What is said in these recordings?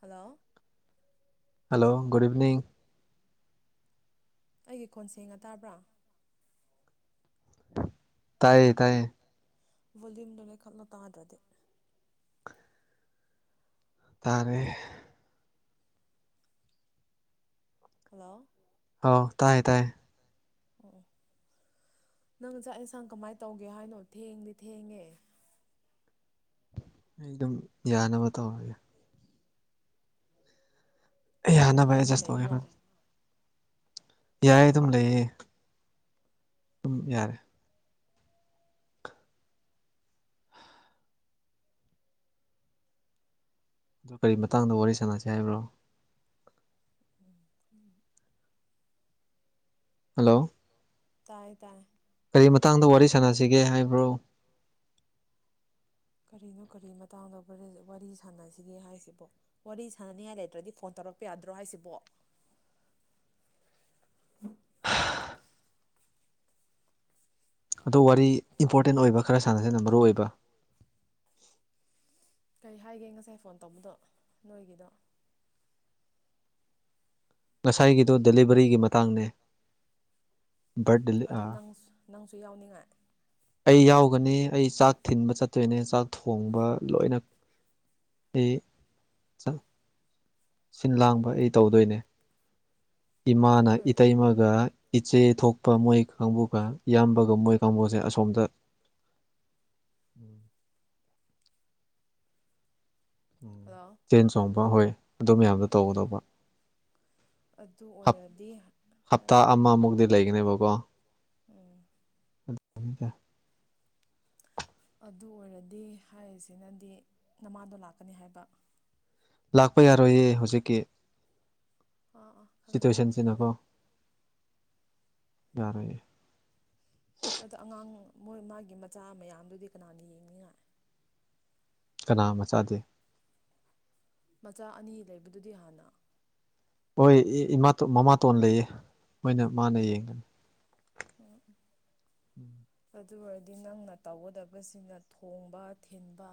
hello hello good evening ꯑꯩꯒꯤ ꯈꯣꯟ ꯁꯦꯡꯅ ꯇꯥꯕ꯭ꯔꯥ ꯚꯣꯂ꯭ꯌꯨꯝꯗꯣ ꯂꯩꯈꯠꯂꯣ ꯇꯥꯗ꯭ꯔꯗꯤ ꯇꯥꯔꯦ ꯍꯜꯂꯣ ꯑꯣ ꯇꯥꯏꯌꯦ ꯇꯥꯏꯌꯦ ꯑꯣ ꯑꯣ ꯅꯪ ꯆꯥꯛ ꯌꯦꯟꯁꯥꯡ ꯀꯃꯥꯏꯟ ꯇꯧꯒꯦ ꯍꯥꯏꯅꯣ ꯊꯦꯡꯗꯤ ꯊꯦꯡꯉꯦ ꯑꯩ ꯑꯗꯨꯝ ꯌꯥꯅꯕ ꯇꯧꯔꯒꯦ ꯊꯣꯡꯅꯤꯉꯥꯏꯗꯤ ꯂꯩꯕ꯭ꯔꯣ ꯌꯥꯏꯌꯦ ꯑꯗꯨꯝ ꯂꯩꯌꯦ ꯑꯗꯨꯝ ꯌꯥꯔꯦ ꯑꯗꯨ ꯀꯔꯤ ꯃꯇꯥꯡꯗ ꯋꯥꯔꯤ ꯁꯥꯟꯅꯁꯤ ꯍꯥꯏꯕ꯭ꯔꯣ ꯎꯝ ꯍꯜꯂꯣ ꯇꯥꯏꯌꯦ ꯇꯥꯏꯌꯦ ꯀꯔꯤ ꯃꯇꯥꯡꯗ ꯋꯥꯔꯤ ꯁꯥꯟꯅꯁꯤꯒꯦ ꯍꯥꯏꯕ꯭ꯔꯣ ꯀꯔꯤꯅꯣ ꯀꯔꯤ ꯃꯇꯥꯡꯗ ꯋꯥꯔꯤ ꯋꯥꯔꯤ ꯁꯥꯟꯅꯁꯤꯒꯦ ꯍꯥꯏꯁꯤꯕꯣ ꯋꯥꯔꯤ ꯁꯥꯟꯅꯅꯤꯡꯉꯥꯏ ꯂꯩꯇ꯭ꯔꯗꯤ ꯐꯣꯟ ꯇꯧꯔꯛꯄ ꯌꯥꯗ꯭ꯔꯣ ꯍꯥꯏꯁꯤꯕꯣ ꯑꯗꯣ ꯋꯥꯔꯤ ꯏꯝꯄꯣꯔꯇꯦꯟ ꯑꯣꯏꯕ ꯈꯔ ꯁꯥꯟꯅꯁꯤꯅ ꯃꯔꯨ ꯑꯣꯏꯕ ꯀꯩ ꯍꯥꯏꯒꯦ ꯉꯁꯥꯏ ꯐꯣꯟ ꯇꯧꯕꯗꯣ ꯅꯣꯏꯒꯤꯗꯣ ꯉꯁꯥꯏꯒꯤꯗꯣ ꯗꯦꯂꯤꯕꯔꯤꯒꯤ ꯃꯇꯥꯡꯅꯦ ꯑꯗꯣ ꯅꯪꯁ ꯅꯪꯁꯨ ꯌꯥꯎꯅꯤꯡꯉꯥꯏ ꯑꯩ ꯌꯥꯎꯒꯅꯤ ꯑꯩ ꯆꯥꯛ ꯊꯤꯟꯕ ꯆꯠꯇꯣꯏꯅꯦ ꯆꯥꯛ ꯊꯣꯡꯕ ꯂꯣꯏꯅ ꯏ ꯆꯥ ꯁꯤꯟ ꯂꯥꯡꯕ ꯑꯩ ꯇꯧꯗꯣꯏꯅꯦ ꯏꯃꯥꯅ ꯏꯇꯩꯃ ꯒ ꯏꯆꯦ ꯊꯣꯛꯄ ꯃꯣꯏ ꯀꯥꯡꯕꯨꯒ ꯏꯌꯥꯝꯕꯒ ꯃꯣꯏ ꯀꯥꯡꯕꯨꯁꯦ ꯑꯁꯣꯝꯗ ꯍꯜꯂꯣ ꯆꯦꯟ ꯆꯣꯡꯕ ꯍꯣꯏ ꯑꯗꯨ ꯃꯌꯥꯝꯗꯣ ꯇꯧꯒꯗꯧꯕ ꯍꯞ ꯍꯞꯇꯥ ꯑꯃꯃꯨꯛꯇꯗꯤ ꯂꯩꯒꯅꯦꯕꯀꯣ ꯎꯝ [unintelligible] ꯑꯗꯨꯗ ꯑꯗꯨ ꯑꯣꯏꯔꯗꯤ ꯍꯥꯏꯔꯤꯁꯤꯅꯗꯤ ꯅꯃꯥꯗꯣ ꯂꯥꯛꯀꯅꯤ ꯍꯥꯏꯕ ꯂꯥꯛꯄ ꯌꯥꯔꯣꯏꯌꯦ ꯍꯧꯖꯤꯛꯀꯤ ꯑꯥ ꯑꯥ ꯈꯪꯉꯦ ꯈꯪꯉꯦ ꯌꯥꯔꯦ ꯌꯥꯔꯦ ꯑꯗꯣ ꯑꯉꯥꯡ ꯃꯣꯏ ꯃꯥꯒꯤ ꯃꯆꯥ ꯃꯌꯥꯝꯗꯨꯗꯤ ꯀꯅꯥꯅ ꯌꯦꯡꯅꯤꯡꯉꯥꯏ ꯀꯅꯥ ꯃꯆꯥꯗꯤ ꯃꯆꯥ ꯑꯅꯤ ꯂꯩꯕꯗꯨꯗꯤ ꯍꯥꯟꯅ ꯍꯣꯏ ꯏꯃꯥ ꯃꯃꯥꯇꯣꯟ ꯂꯩꯌꯦ ꯃꯣꯏꯅ ꯃꯥꯅ ꯌꯦꯡꯒꯅꯤ ꯑꯣ ꯎꯝ ꯎꯝ ꯑꯗꯨ ꯑꯣꯏꯔꯗꯤ ꯅꯪꯅ ꯇꯧꯒꯗꯁꯤꯡꯅ ꯊꯣꯡꯕ ꯊꯤꯟꯕ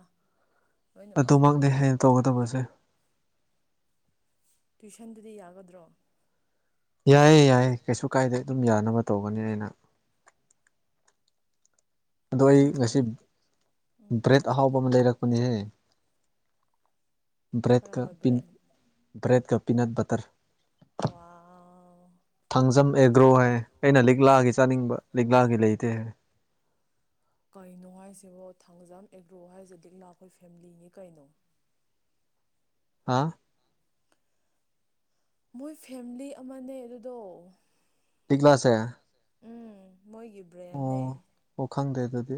ꯑꯗꯨꯃꯛꯅꯤ ꯍꯦꯟꯅ ꯇꯧꯒꯗꯕꯁꯦ ꯇ꯭ꯋꯏꯁꯟꯗꯨꯗꯤ ꯌꯥꯒꯗ꯭ꯔꯣ ꯌꯥꯏꯌꯦ ꯌꯥꯏꯌꯦ ꯀꯩꯁꯨ ꯀꯥꯏꯗꯦ ꯑꯗꯨꯝ ꯌꯥꯅꯕ ꯇꯧꯒꯅꯤ ꯑꯩꯅ ꯑꯗꯣ ꯑꯩ ꯉꯁꯤ ꯕ꯭ꯔꯦꯗ ꯑꯍꯥꯎꯕ ꯑꯃ ꯂꯩꯔꯛ ꯄꯥꯅꯤꯍꯦ ꯕ꯭ꯔꯦꯠ ꯛ ꯄꯤꯟ ꯕ꯭ꯔꯦꯠ ꯀ ꯄꯤꯟꯅꯠ ꯕꯇꯔ ꯋꯥꯎ ꯊꯥꯡꯖꯝ ꯑꯦꯒ꯭ꯔꯣ ꯍꯥꯏ ꯑꯩꯅ ꯂꯤꯛꯂꯥꯒꯤ ꯆꯥꯅꯤꯡꯕ ꯂꯤꯛꯂꯥꯒꯤ ꯂꯩꯇꯦ ꯍꯥꯏ ꯀꯩꯅꯣ ꯍꯥꯏꯁꯤꯕꯣ ꯊꯥꯡꯖꯥꯝ ꯑꯦꯒ꯭ꯔꯣ ꯍꯥꯏꯁꯦ ꯂꯤꯛꯂꯥ ꯍꯣꯏ ꯐꯦꯃꯤꯂꯤꯅꯤ ꯀꯩꯅꯣ ꯍꯥꯥ ꯃꯣꯏ ꯐꯦꯃꯤꯂꯤ ꯑꯃꯅꯦ ꯑꯗꯨꯗꯣ ꯂꯤꯛꯂꯥꯁꯦ ꯎꯝ ꯃꯣꯏꯒꯤ ꯕ꯭ꯔꯦꯟꯅꯦ ꯑꯣ ꯈꯪꯗꯦ ꯑꯗꯨꯗꯤ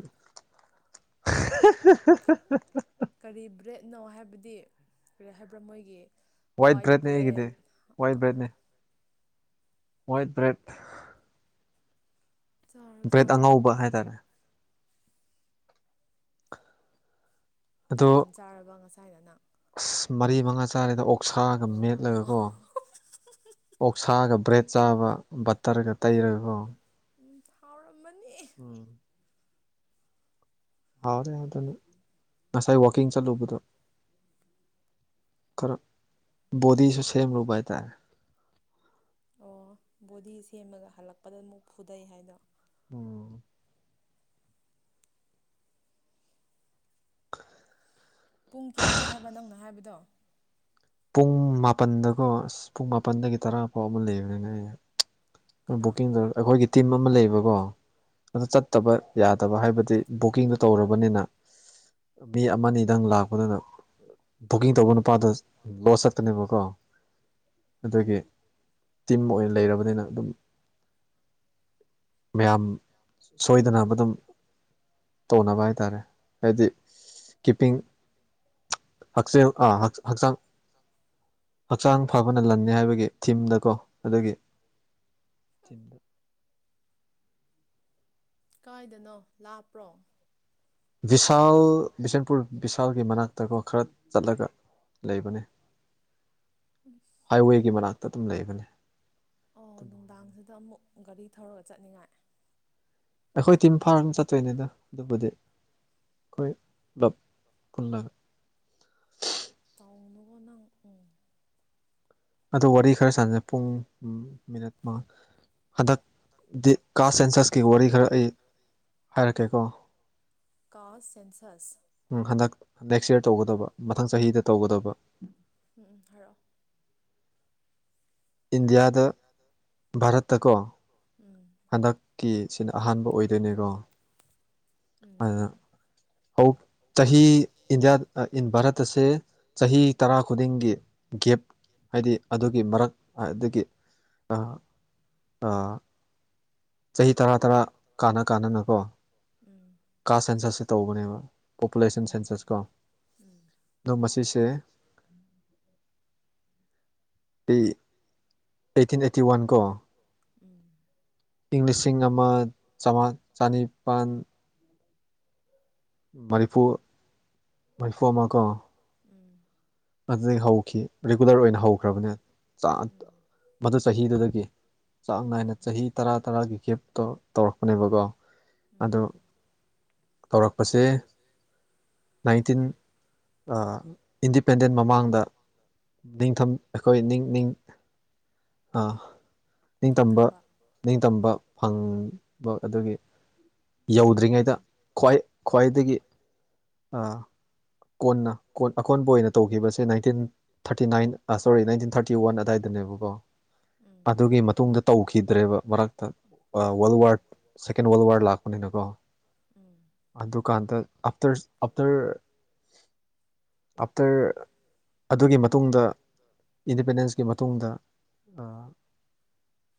[unintelligible] ꯀꯔꯤ ꯕ꯭ꯔꯦꯠꯅꯣ ꯍꯥꯏꯕꯗꯤ ꯀꯔꯤ ꯍꯥꯏꯕ꯭ꯔꯥ ꯃꯣꯏꯒꯤ ꯋꯥꯏꯠ ꯕ꯭ꯔꯦꯗ ꯑꯥ ꯑꯥ ꯋꯥꯏꯠ ꯕ꯭ꯔꯦꯠ ꯆꯔꯣ ꯆꯔꯣ [unintelligible] ꯀꯌꯥꯝ ꯆꯥꯔꯕ ꯉꯁꯥꯏꯅ ꯅꯪ ꯑꯁ ꯃꯔꯤ ꯃꯉꯥ ꯆꯥꯔꯦꯗ ꯑꯣꯛꯁꯥꯒ ꯃꯦꯠꯂꯒ ꯀꯣ [unintelligible] ꯑꯣꯛꯁꯥꯒ ꯕ꯭ꯔꯦꯗ ꯆꯥꯕ ꯕꯠꯇꯔꯒ ꯇꯩꯔꯒꯀꯣ ꯎ ꯍꯥꯎꯔꯝꯃꯅꯤ ꯎꯝ ꯍꯥꯎꯔꯦ ꯑꯗꯨꯗꯅ ꯉꯁꯥꯏ ꯋꯥꯀꯤꯡ ꯆꯠꯂꯨꯕꯗꯣ ꯈꯔꯥ ꯕꯣꯗꯤꯁꯨ ꯁꯦꯝꯔꯨꯕ ꯍꯥꯏꯇꯥꯔꯦ ꯑꯣ ꯕꯣꯗꯤ ꯁꯦꯝꯃꯒ ꯍꯜꯂꯛꯄꯗ ꯑꯃꯨꯛ ꯐꯨꯗꯩ ꯍꯥꯏꯗꯣ ꯎꯝ ꯄꯨꯡ ꯀꯌꯥꯅꯤ ꯍꯥꯏꯕ ꯅꯪꯅ ꯍꯥꯏꯕꯗꯣ ꯄꯨꯡ ꯃꯥꯄꯜꯗꯀꯣ ꯑꯁ ꯄꯨꯡ ꯃꯥꯄꯟꯗꯒꯤ ꯇꯔꯥ ꯐꯥꯎ ꯑꯃ ꯂꯩꯕꯅꯤ ꯕꯨꯀꯤꯡ ꯇꯧ ꯑꯩꯈꯣꯏꯒꯤ ꯇꯤꯝ ꯑꯃ ꯂꯩꯕꯀꯣ ꯑꯗꯨ ꯆꯠꯇꯕ ꯌꯥꯗꯕ ꯍꯥꯏꯕꯗꯤ ꯕꯨꯀꯤꯡꯗꯣ ꯇꯧꯔꯕꯅꯤꯅ ꯃꯤ ꯑꯃꯅꯤꯗꯪ ꯂꯥꯛꯄꯗꯨꯗ ꯕꯨꯀꯤꯡ ꯇꯧꯕ ꯅꯨꯄꯥꯗ ꯂꯣꯁ ꯆꯠꯇꯅꯦꯕꯀꯣ ꯑꯗꯨꯒꯤ ꯇꯤꯝ ꯑꯣꯏꯅ ꯂꯩꯔꯕꯅꯤꯅ ꯑꯗꯨꯝ ꯃꯌꯥꯝ ꯁꯣꯏꯗꯅ ꯑꯗꯨꯝ ꯇꯧꯅꯕ ꯍꯥꯏꯇꯥꯔꯦ ꯍꯥꯏꯗꯤ ꯀꯤꯞꯄꯤꯡ ꯍꯛꯆꯦꯜ ꯑ ꯍꯛꯆꯥꯡ ꯍꯛꯆꯥꯡ ꯐꯕꯅ ꯂꯟꯅꯤ ꯍꯥꯏꯕꯒꯤ ꯊꯤꯝꯗꯀꯣ ꯑꯗꯨꯒꯤ ꯇꯤꯝꯗ ꯀꯥꯏꯗꯅꯣ ꯂꯥꯞꯄ꯭ꯔꯣ ꯚꯤꯁꯥꯜ ꯕꯤꯁꯦꯟꯄꯨꯔ ꯕꯤꯚꯤꯁꯥꯜꯒꯤ ꯃꯅꯥꯛꯇꯀꯣ ꯈꯔ ꯆꯠꯂꯒ ꯂꯩꯕꯅꯦ ꯍꯥꯏꯋꯦꯒꯤ ꯃꯅꯥꯛꯇ ꯑꯗꯨꯝ ꯂꯩꯕꯅꯦ ꯑꯣ ꯅꯨꯡꯗꯥꯡꯁꯤꯗ ꯑꯃꯨꯛ ꯒꯥꯔꯤ ꯊꯧꯔꯒ ꯆꯠꯅꯤꯡꯉꯥꯏ ꯑꯩꯈꯣꯏ ꯇꯤꯝ ꯐꯥꯔ ꯆꯠꯇꯣꯏꯅꯤꯗ ꯑꯗꯨꯕꯨꯗꯤ ꯑꯩꯈꯣꯏ ꯄꯨꯂꯞ ꯄꯨꯜꯂꯒ ꯇꯥꯎꯅꯨꯒꯣ ꯅꯪ ꯎꯝ ꯑꯗꯣ ꯋꯥꯔꯤ ꯈꯔ ꯁꯥꯥꯟꯖꯩ ꯄꯨꯡ ꯃꯤꯅꯠ ꯃꯉꯥ ꯍꯟꯗꯛ ꯀꯥꯁ ꯁꯦꯟꯁꯁꯀꯤ ꯋꯥꯔꯤ ꯈꯔ ꯑꯩ ꯍꯥꯏꯔꯛꯀꯦꯀꯣ ꯀꯥꯁ ꯁꯦꯟꯁꯁ ꯎꯝ ꯍꯟꯗꯛ ꯅꯦꯛꯁ ꯏꯌꯥꯔ ꯇꯧꯒꯗꯕ ꯃꯊꯪ ꯆꯍꯤꯗ ꯇꯧꯒꯗꯕ ꯎꯝ ꯎꯝ ꯍꯥꯏꯔꯛꯑꯣ ꯏꯟꯗꯤꯌꯥꯗ ꯚꯥꯔꯠꯇꯀꯣ ꯎꯝ ꯍꯟꯗꯛꯀꯤꯁꯤꯅ ꯑꯍꯥꯟꯕ ꯑꯣꯏꯗꯣꯏꯅꯦꯀꯣ ꯎꯝ ꯍꯧ ꯆꯍꯤ ꯏꯟꯗꯤꯌꯥ ꯏꯟ ꯚꯥꯔꯠ ꯑꯁꯦ ꯆꯍꯤ ꯇꯔꯥ ꯈꯨꯗꯤꯡꯒꯤ ꯒꯦꯞ ꯍꯥꯏꯗꯤ ꯑꯗꯨꯒꯤ ꯃꯔꯛ ꯑꯗꯨꯗꯒꯤ ꯑ ꯑ ꯆꯍꯤ ꯇꯔꯥ ꯇꯔꯥ ꯀꯥꯟꯅ ꯀꯥꯟꯅꯅꯀꯣ ꯀꯥꯁ ꯁꯦꯟꯁꯁꯁꯦ ꯇꯧꯕꯅꯦꯕ ꯄꯣꯄꯨꯂꯦꯁꯟ ꯁꯦꯟꯁꯁ ꯀꯣ ꯎꯝ ꯑꯗꯨ ꯃꯁꯤꯁꯦ ꯑꯩ ꯑꯩꯠꯇꯤꯟ ꯑꯩꯠꯇꯤ ꯋꯥꯟ ꯀꯣ ꯎꯝ ꯏꯪ ꯂꯤꯁꯤꯡ ꯑꯃ ꯆꯝꯃꯥ ꯆꯅꯤꯄꯥꯜ ꯃꯔꯤꯄꯨ ꯃꯔꯤꯄꯨ ꯑꯃꯀꯣ ꯎꯝ ꯑꯗꯨꯗꯒꯤ ꯍꯧꯈꯤ ꯔꯤꯒꯨꯂꯔ ꯑꯣꯏꯅ ꯍꯧꯈ꯭ꯔꯕꯅꯦ ꯆ ꯃꯗꯨ ꯆꯍꯤꯗꯨꯗꯒꯤ ꯆꯥꯡ ꯅꯥꯏꯅ ꯆꯍꯤ ꯇꯔꯥ ꯇꯔꯥꯒꯤ ꯒꯦꯞꯇꯣ ꯇꯧꯔꯛꯄꯅꯦꯕꯀꯣ ꯑꯗꯤ ꯇꯧꯔꯛꯄꯁꯦ ꯅꯥꯏꯟꯇꯤꯟ ꯑ ꯃꯃꯥꯡꯗ ꯅꯤꯡꯊꯝ ꯑꯩꯈꯣꯏ ꯅꯤꯡ ꯅꯤꯡ ꯑ ꯅꯤꯡꯇꯝꯕ ꯅꯤꯡꯇꯝꯕ ꯐꯪꯕ ꯑꯗꯨꯒꯤ ꯌꯧꯗ꯭ꯔꯤꯉꯩꯗ ꯈ꯭ꯋꯥꯏ ꯈ꯭ꯋꯥꯏꯗꯒꯤ ꯀꯣꯟꯅ ꯀꯣꯟ ꯑꯀꯣꯟꯕ ꯑꯣꯏꯅ ꯇꯧꯈꯤꯕꯁꯦ nineteen thirty nine sorry nineteen thirty one ꯑꯗꯥꯏꯗꯅꯦꯕꯀꯣ ꯑꯗꯨꯒꯤ ꯃꯇꯨꯡꯗ ꯇꯧꯈꯤꯗ꯭ꯔꯦꯕ ꯃꯔꯛꯇ ꯋꯥꯔꯜ ꯋꯥꯔꯗ ꯁꯦꯀꯦꯟ ꯋꯥꯔꯜ ꯋꯥꯔ ꯂꯥꯛꯄꯅꯤꯅꯀꯣ ꯑꯗꯨꯀꯥꯟꯗ ꯑꯞꯇꯔ ꯑꯐꯇꯔ ꯑꯥꯞꯇꯔ ꯑꯗꯨꯒꯤ ꯃꯇꯨꯡꯗ ꯏꯟꯗꯤꯄꯦꯟꯗꯦꯟꯁꯀꯤ ꯃꯇꯨꯡꯗ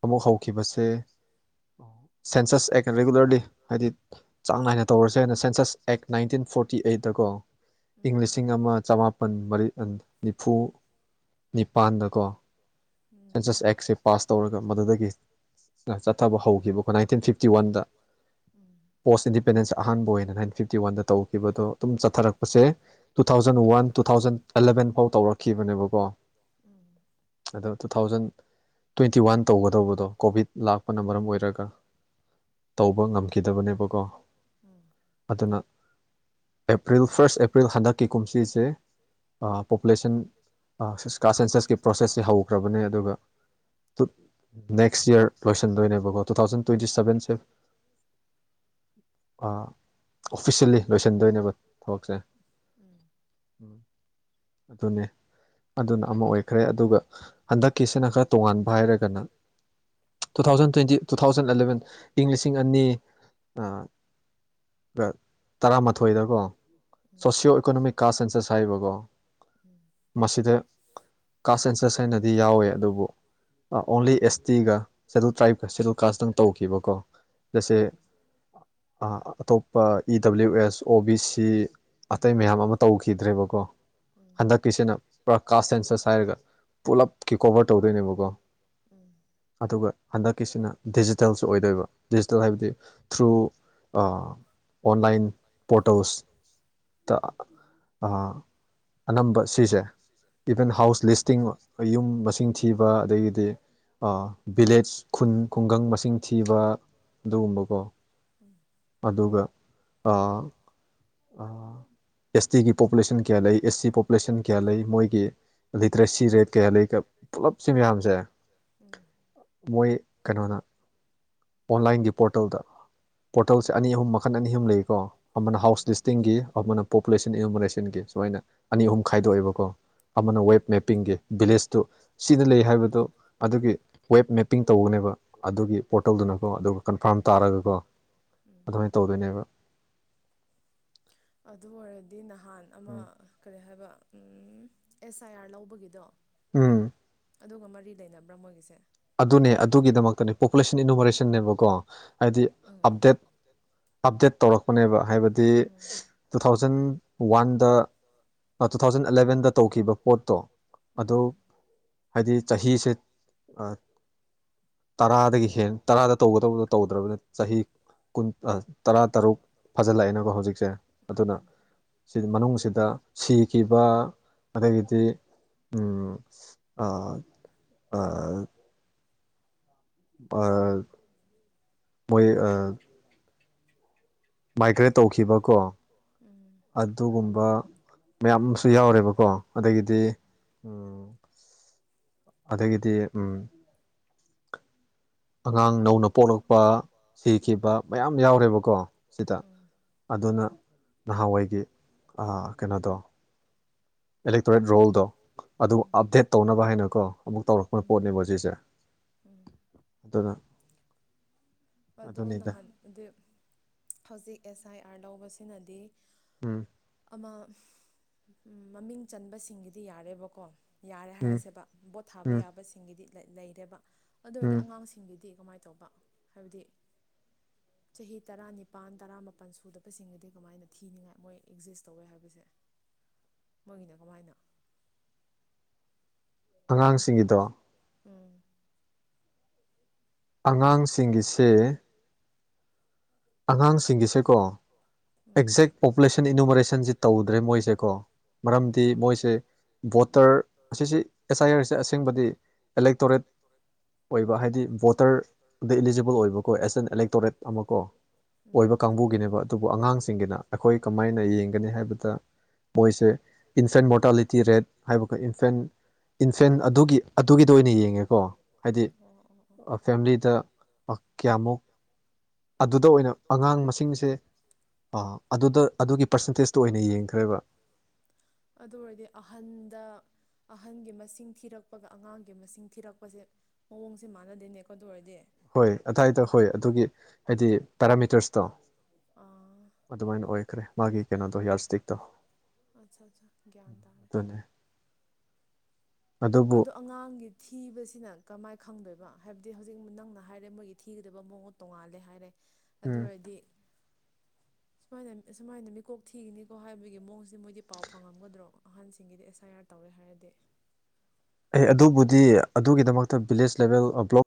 ꯑꯃꯨꯛ ꯍꯧ ꯐꯥꯎꯈꯤꯕꯁ‌ꯦ ꯁꯦꯟꯁꯁ ꯑꯦ ꯔꯤꯒꯨꯂꯔꯂꯤ ꯍꯥꯏꯗꯤ ꯆꯥꯡ ꯅꯥꯏꯅ ꯇꯧꯔꯁꯦꯅ ꯁꯦꯟꯁꯁ ꯑꯦꯛ ꯅꯥꯏꯟꯇꯤꯟ ꯐꯣꯔꯇꯤ ꯑꯩꯠꯇ ꯀꯣ ꯏꯪ ꯂꯤꯁꯤꯡ ꯑꯃ ꯆꯃꯥꯄꯜ ꯃꯔꯤ ꯅꯤꯐꯨ ꯅꯤꯄꯥꯟꯗꯀꯣ ꯁꯦꯟꯁꯁ ꯑꯦꯛꯁꯦ ꯄꯥꯁ ꯇꯧꯔꯒ ꯃꯗꯨꯗꯒꯤ ꯐꯊꯕ ꯍꯧꯈꯤꯕꯀꯣ ꯅꯥꯏꯟꯇꯤꯟ ꯐꯤꯞꯇꯤ ꯋꯥꯟꯗ ꯄꯣꯁ ꯏꯟꯗꯤꯄꯦꯟꯗꯦꯟꯁꯦ ꯑꯍꯥꯟꯕ ꯑꯣꯏꯅ ꯅꯥꯏꯟꯇꯤꯟ ꯐꯤꯞꯇꯤ ꯋꯥꯟꯗ ꯇꯧ ꯈꯤꯕꯗꯣ ꯑꯗꯨꯝ ꯆꯠꯊꯔꯛꯄꯁꯦ two thousand one two thousand eleven ꯐꯥꯎ ꯇꯧꯔꯛꯈꯤꯕꯅꯦꯕꯀꯣ ꯎꯝ ꯑꯗꯣ ꯇꯨ ꯊꯥꯎꯖꯟ ꯇ꯭ꯋꯦꯟꯇꯤ ꯋꯥꯟ ꯇꯧꯒꯗꯧꯕꯗꯣ ꯀꯣꯚꯤꯗ ꯂꯥꯛꯄꯅ ꯃꯔꯝ ꯑꯣꯏꯔꯒ ꯇꯧꯕ ꯉꯝꯈꯤꯗꯕꯅꯦꯕꯀꯣ ꯑꯗꯨꯅ ꯑꯦꯄ꯭ꯔꯤꯜ ꯐꯥꯔꯁ ꯑꯦꯄ꯭ꯔꯤꯜ ꯍꯟꯗꯛꯀꯤ ꯀꯨꯝꯁꯤꯁꯦ ꯄꯣꯄꯨꯂꯦꯁꯟ ꯀ ꯁꯦꯟꯁꯁꯀꯤ ꯄ꯭ꯔꯣꯁꯦꯁꯁꯦ ꯍꯧꯈ꯭ꯔꯕꯅꯦ ꯑꯗꯨꯒ ꯅꯦꯛꯁ ꯌꯔ ꯂꯣꯏꯁꯟꯗꯣꯏꯅꯦꯕꯀꯣ ꯇꯨ ꯊꯥꯎꯖꯟ ꯇ꯭ꯋꯦꯟꯇꯤ ꯁꯚꯦꯟꯁꯦ ꯑꯥ ꯑꯣꯐꯤꯁꯦꯜꯂꯤ ꯂꯣꯏꯁꯤꯟꯗꯣꯏꯅꯦꯕ ꯊꯕꯛꯁꯦ ꯎꯝ ꯑꯗꯨꯅꯦ ꯑꯗꯨꯅ ꯑꯃ ꯑꯣꯏꯈ꯭ꯔꯦ ꯑꯗꯨꯒ ꯍꯟꯗꯛꯀꯤꯁꯤꯅ ꯈꯔ ꯇꯣꯉꯥꯟꯕ ꯍꯥꯏꯔꯒꯅ two thousand twenty two thousand eleven ꯏꯪ ꯂꯤꯁꯤꯡ ꯑꯅꯤ ꯑꯥ ꯕꯔꯛ ꯇꯔꯥꯃꯥꯊꯣꯏꯗꯀꯣ ꯁꯣꯁꯤꯌꯣ ꯏꯀꯣꯅꯣꯃꯤꯛ ꯀꯥꯁ ꯁꯦꯟꯁꯦꯁ ꯍꯥꯏꯕꯀꯣ [unintelligible] ꯀꯥꯁ ꯑꯦꯟꯁꯔꯁ ꯍꯥꯏꯅꯗꯤ ꯌꯥꯎꯋꯦ ꯑꯗꯨꯕꯨ ꯑꯣꯡꯂꯤ ꯑꯦꯁ ꯇꯤꯒ ꯁꯦꯗꯨꯜ ꯇ꯭ꯔꯥꯏꯞꯀ ꯁꯦꯗꯨꯜ ꯀꯥꯁꯇꯪ ꯇꯧꯈꯤꯕ ꯀꯣ ꯎꯝ ꯑ ꯑꯇꫭꯞ ꯄ ꯏ ꯗꯕ꯭ꯂꯤꯎ ꯑꯦꯁ ꯑꯣ ꯕꯤ ꯁꯤ ꯑꯇꯩ ꯃꯌꯥꯝ ꯑꯃ ꯇꯧꯈꯤꯗ꯭ꯔꯦꯕꯀꯣ ꯍꯟꯗꯛꯀꯤꯁꯤꯅ ꯄ꯭ꯔꯀꯥꯁ ꯁꯦꯟꯁꯁ ꯍꯥꯏꯔꯒ ꯄꯨꯂꯞ ꯀꯀꯣꯕꯔ ꯇꯧꯗꯣꯏꯅꯦꯕꯀꯣ ꯑꯗꯨꯒ ꯍꯟꯗꯛꯀꯤꯁꯤꯅ ꯗꯤꯖꯤꯇꯦꯜꯁꯨ ꯑꯣꯏꯗꯣꯏꯕ ꯗꯤꯖꯤꯇꯦꯜ ꯍꯥꯏꯕꯗꯤ ꯊ꯭ꯔꯨꯨ ꯑꯥ ꯑꯣꯟꯂꯥꯏꯟ ꯄꯣꯔꯇꯦꯜꯁꯇ ꯑꯅꯝꯕ ꯎꯝ ꯌꯨꯝ ꯃꯁꯤꯡ ꯊꯤꯕ ꯑꯗꯒꯤꯗꯤ ꯚꯤꯂꯦꯖ ꯈꯨꯟ ꯈꯨꯡꯒꯪ ꯃꯁꯤꯡ ꯊꯤꯕ ꯑꯗꯨꯒꯨꯝꯕꯀꯣ ꯎꯝ ꯑꯗꯨꯒ ꯑ ꯑꯦꯁ ꯇꯤꯒꯤ ꯄꯣꯄꯨꯂꯦꯁꯟ ꯀꯌꯥ ꯂꯩ ꯑꯦꯁ ꯁꯤ ꯄꯣꯄꯨꯂꯦꯁꯟ ꯀꯌꯥ ꯂꯩ ꯃꯣꯏꯒꯤ ꯂꯤꯇꯔꯦꯁꯤ ꯔꯦꯠ ꯀꯩꯀ ꯂꯩ ꯄꯨꯂꯞꯁꯤ ꯃꯌꯥꯝꯁꯦ ꯃꯣꯏ ꯀꯩꯅꯣꯗ ꯑꯣꯟꯂꯥꯏꯟꯒꯤ ꯄꯣꯔꯇꯦꯜꯗ ꯄꯣꯔꯇꯜꯁꯦ ꯑꯅꯤ ꯑꯍꯨꯝ ꯃꯈꯟ ꯑꯅꯤ ꯑꯍꯨꯝ ꯂꯩꯀꯣ ꯑꯃꯅ ꯍꯥꯎꯁ ꯗꯤꯁꯇꯤꯡꯒꯤ ꯑꯃꯅ ꯄꯣꯄꯨꯂꯦꯁꯟ ꯏꯅꯨꯃꯔꯦꯁꯟꯒꯤ ꯁꯨꯃꯥꯏꯅ ꯑꯅꯤ ꯑꯍꯨꯝ ꯈꯥꯏꯗꯣꯛꯑꯦꯕꯀꯣ ꯑꯃꯅ ꯋꯦꯕ ꯃꯦꯞꯄꯤꯡꯒꯤ ꯚꯤꯂꯦꯖꯇꯨ ꯁꯤꯗ ꯂꯩ ꯍꯥꯏꯕꯗꯣ ꯑꯗꯨꯒꯤ ꯋꯦꯕ ꯃꯦꯄꯤꯡ ꯇꯧꯒꯅꯦꯕ ꯑꯗꯨꯒꯤ ꯄꯣꯔꯇꯦꯜꯗꯨꯅꯀꯣ ꯑꯗꯨꯒ ꯀꯟꯐꯥꯔꯝ ꯇꯥꯔꯒꯀꯣ ꯑꯗꯨꯃꯥꯏꯅ ꯇꯧꯗꯣꯏꯅꯦꯕ ꯑꯗꯨ ꯑꯣꯏꯔꯗꯤ ꯅꯍꯥꯟ ꯑꯃ ꯀꯔꯤ ꯍꯥꯏꯕ ꯎꯝ ꯑꯦꯁ ꯑꯥꯏ ꯑꯥꯔ ꯂꯧꯕꯒꯤꯗꯣ ꯎꯝ ꯑꯗꯨꯒ ꯃꯔꯤ ꯂꯩꯅꯕ꯭ꯔꯥ ꯃꯣꯏꯒꯤꯁꯦ ꯑꯗꯨꯅꯦ ꯑꯗꯨꯒꯤꯗꯃꯛꯇꯅꯦ ꯄꯣꯄꯨꯂꯦꯁꯟ ꯏꯅꯣꯕꯔꯦꯁꯟꯅꯦꯕꯀꯣ ꯍꯥꯏꯗꯤ ꯑꯞꯗꯦꯠ ꯑꯞꯗꯦꯠ ꯇꯧꯔꯛꯄꯅꯦꯕ ꯍꯥꯏꯕꯗꯤ ꯇꯨ ꯊꯥꯎꯖꯟ ꯋꯥꯟꯗ ꯇꯨ ꯊꯥꯎꯖꯟ ꯑꯦꯂꯚꯦꯟꯗ ꯇꯧꯈꯤꯕ ꯄꯣꯠꯇꯣ ꯑꯗꯨ ꯍꯥꯏꯗꯤ ꯆꯍꯤꯁꯦ ꯑ ꯇꯔꯥꯗꯒꯤ ꯍꯦꯟ ꯇꯔꯥꯗ ꯇꯧꯒ ꯗꯧꯕ ꯇꯧꯗ꯭ꯔꯕꯅꯦ ꯆꯍꯤ ꯀꯨꯟ ꯑ ꯇꯔꯥ ꯇꯔꯨꯛ ꯐꯖꯤꯜꯂꯛꯑꯦꯅꯀꯣ ꯍꯧꯖꯤꯛꯁꯦ ꯑꯗꯨꯅ ꯁꯤꯗ ꯃꯅꯨꯡꯁꯤꯗ ꯁꯤꯈꯤꯕ ꯑꯗꯒꯤꯗꯤ ꯎꯝ ꯑꯥ ꯑꯥ ꯄꯥ ꯃꯣꯏ ꯑꯥ ꯃꯥꯏꯒ꯭ꯔꯦꯠ ꯇꯧꯈꯤꯕꯀꯣ ꯎꯝ ꯑꯗꯨꯒꯨꯝꯕ ꯃꯌꯥꯝ ꯑꯃꯁꯨ ꯌꯥꯎꯔꯦꯕꯀꯣ ꯑꯗꯒꯤꯗꯤ ꯎꯝ ꯑꯗꯒꯤꯗꯤ ꯎꯝ ꯑꯉꯥꯡ ꯅꯧꯅ ꯄꯣꯛꯂꯛꯄ ꯁꯤꯈꯤꯕ ꯃꯌꯥꯝ ꯌꯥꯎꯔꯦꯕꯀꯣ ꯁꯤꯗ ꯑꯗꯨꯅ ꯅꯍꯥꯟꯋꯥꯏꯗꯤ ꯑꯥ ꯀꯩꯅꯣꯗꯣ ꯑꯦꯂꯦꯛꯇ꯭ꯔꯣꯔꯦꯠ ꯔꯣꯜꯗꯣ ꯑꯗꯨ ꯑꯞꯗꯦꯠ ꯇꯧꯅꯕ ꯍꯥꯏꯅꯀꯣ ꯑꯃꯨꯛ ꯇꯧꯔꯛꯄ ꯄꯣꯠꯅꯦꯕꯥ ꯁꯤꯁꯦ ꯎꯝ ꯑꯗꯨꯅ ꯑꯗꯣ ꯅꯍꯥꯟ ꯗꯤ ꯍꯧꯖꯤꯛ ꯑꯦꯁ ꯑꯥꯏ ꯑꯥꯔ ꯂꯧꯕꯁꯤꯅꯗꯤ ꯎꯝ ꯑꯃ [unintelligible] ꯃꯃꯤꯡ ꯆꯟꯕꯁꯤꯡꯒꯤꯗꯤ ꯌꯥꯔꯦꯕꯀꯣ ꯌꯥꯔꯦ ꯍꯥꯏꯔꯁꯦꯕ ꯕꯣꯠ ꯊꯥꯕ ꯌꯥꯕꯁꯤꯡꯒꯤꯗꯤ ꯂꯩ ꯂꯩꯔꯦꯕ ꯑꯗꯨ ꯑꯣꯏꯔꯗꯤ ꯑꯉꯥꯡꯁꯤꯡꯒꯤꯗꯤ ꯀꯃꯥꯏ ꯇꯧꯕ ꯍꯥꯏꯕꯗꯤ ꯆꯍꯤ ꯇꯔꯥꯅꯤꯄꯥꯟ ꯇꯔꯥꯃꯄꯜ ꯁꯨꯗꯕꯁꯤꯡꯒꯤꯗꯤ ꯀꯃꯥꯏꯅ ꯊꯤꯅꯤꯡꯉꯥꯏ ꯃꯣꯏ ꯑꯦꯛꯖꯤꯁ ꯇꯧꯋꯦ ꯍꯥꯏꯕꯁꯦ ꯃꯣꯏꯒꯤꯅ ꯀꯃꯥꯏꯅ ꯑꯉꯥꯡ [unintelligible] [unintelligible] ꯎꯝ ꯑꯉꯥꯡꯁꯤꯡꯒꯤꯁꯦ ꯑꯉꯥꯡꯁꯤꯡꯒꯤꯁꯦꯀꯣ ꯑꯦꯛꯖꯦꯛ ꯄꯣꯄꯨꯂꯦꯁꯟ ꯏꯅꯨꯃꯔꯦꯁꯟꯁꯤ ꯇꯧꯗ꯭ꯔꯦ ꯃꯣꯏꯁꯦꯀꯣ ꯃꯔꯝꯗꯤ ꯃꯣꯏꯁꯦ ꯕꯣꯇꯔ ꯑꯁꯤꯁꯤ ꯑꯦꯁ ꯑꯥꯏ ꯑꯥꯔꯁꯦ ꯑꯁꯦꯡꯕꯗꯤ ꯑꯦꯂꯦꯛꯇꯣꯔꯦꯠ ꯑꯣꯏꯕ ꯍꯥꯏꯗꯤ ꯕꯣꯇꯔꯗ ꯏꯂꯤꯖꯤꯕꯜ ꯑꯣꯏꯕꯀꯣ ꯑꯦꯁ ꯑꯦꯟ ꯑꯦꯂꯦꯛꯇꯣꯔꯦꯠ ꯑꯃ ꯀꯣ ꯑꯣꯏꯕ ꯀꯥꯡꯕꯨꯒꯤꯅꯦꯕ ꯑꯗꯨꯕꯨ ꯑꯉꯥꯡꯁꯤꯡꯒꯤꯅ ꯑꯩꯈꯣꯏ ꯀꯃꯥꯏꯅ ꯌꯦꯡꯒꯅꯤ ꯍꯥꯏꯕꯗ ꯃꯣꯏꯁꯦ ꯏꯟꯁꯟ ꯃꯣꯔꯇꯥꯂꯤꯇꯤ ꯔꯦꯠ ꯍꯥꯏꯕꯀ ꯏꯟꯐꯦꯟ ꯏꯟꯐꯦꯟ ꯑꯗꯨꯒꯤ ꯑꯗꯨꯒꯤꯗ ꯑꯣꯏꯅ ꯌꯦꯡꯉꯦꯀꯣ ꯑꯝ ꯑꯝ ꯑꯝ ꯑꯥ ꯐꯦꯝꯂꯤꯗ ꯑꯥ ꯀꯌꯥꯃꯨꯛ ꯑꯗꯨ ꯗ ꯑꯣꯏꯅ ꯑꯉꯥꯡ ꯃꯁꯤꯡꯁꯦ ꯑꯗꯨꯗ ꯑꯗꯨꯒꯤ ꯄꯔꯁꯦꯟꯇꯦꯖꯇ ꯑꯣꯏꯅ ꯌꯦꯡꯈ꯭ꯔꯦꯕ ꯑꯗꯨ ꯑꯣꯏꯔꯗꯤ ꯑꯍꯟꯗ ꯑꯍꯟꯒꯤ ꯃꯁꯤꯡ ꯊꯤꯔꯛꯄꯒ ꯑꯉꯥꯡꯒꯤ ꯃꯁꯤꯡ ꯊꯤꯔꯛꯄꯁꯦ ꯃꯑꯣꯡꯁꯦ ꯃꯥꯟꯅꯗꯦꯅꯦꯀꯣꯗ ꯑꯣꯏꯔꯗꯤ ꯍꯣꯏ ꯑꯋꯥꯏꯗ ꯍꯣꯏ ꯑꯗꯨꯒꯤ ꯍꯥꯏꯗꯤ ꯄꯦꯔꯥꯃꯤꯇꯔꯁ ꯑꯥ ꯑꯗꯨꯃꯥꯏꯅ ꯑꯣꯏꯈ꯭ꯔꯦ ꯃꯥꯒꯤ ꯀꯩꯅꯣꯗꯣ ꯌꯥꯔꯁꯇꯤꯛꯇꯣ ꯑꯠꯆꯥ ꯑꯠꯆꯥ ꯭ꯌꯥꯟꯗꯥꯅ ꯑꯗꯨꯕꯨ ꯑꯉꯥꯡꯒꯤ ꯊꯤꯕꯁꯤꯅ ꯀꯃꯥꯏ ꯈꯪꯗꯣꯏꯕ ꯍꯥꯏꯕꯗꯤ ꯍꯧꯖꯤꯛ ꯅꯪꯅ ꯍꯥꯏꯔꯦ ꯃꯣꯏꯒꯤ ꯊꯤꯒꯗꯕ ꯃꯑꯣꯡ ꯇꯣꯉꯥꯜꯂꯦ ꯍꯥꯏꯔꯦ ꯑꯗꯨ ꯑꯣꯏꯔꯗꯤ ꯁꯨꯃꯥꯏꯅ ꯁꯨꯃꯥꯏꯅ ꯃꯤꯀꯣꯛ ꯊꯤꯒꯅꯤꯀꯣ ꯍꯥꯏꯕꯒꯤ ꯃꯑꯣꯡꯁꯤꯗꯤ ꯃꯣꯏꯗꯤ ꯄꯥꯎ ꯐꯪꯉꯝꯒꯗ꯭ꯔꯣ ꯑꯍꯟꯁꯤꯡꯒꯤꯗꯤ ꯑꯦꯁ ꯑꯥꯏ ꯑꯥꯔ ꯇꯧꯔꯦ ꯍꯥꯏꯔꯗꯤ ꯑꯦ ꯑꯗꯨꯕꯨꯗꯤ ꯑꯗꯨꯒꯤꯗꯃꯛꯇ ꯚꯤꯂꯦꯖ ꯂꯦꯕꯦꯜ ꯕ꯭ꯂꯣꯛ